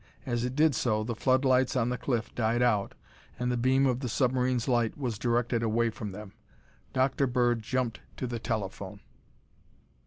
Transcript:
As it did so, the floodlights on the cliff died out and the beam of the submarine's light was directed away from them. Dr. Bird jumped to the telephone.